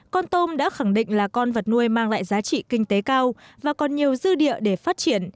con tôm đã khẳng định là con vật nuôi mang lại giá trị kinh tế